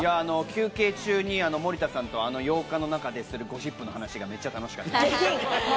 休憩中に森田さんと、あの洋館の中でするゴシップの話がめっちゃ楽しかったです。